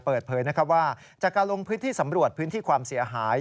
เปิดเผยว่าจากการลงพื้นที่สำรวจพื้นที่ความเสียหาย